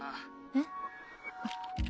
えっ。